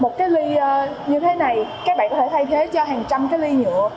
một ly như thế này các bạn có thể thay thế cho hàng trăm ly nhựa